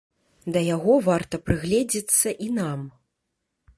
Да яго варта прыгледзецца і нам.